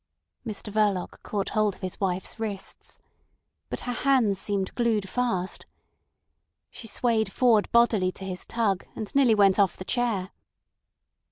Mr Verloc caught hold of his wife's wrists. But her hands seemed glued fast. She swayed forward bodily to his tug, and nearly went off the chair.